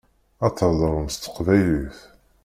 Ad theḍṛemt s teqbaylit.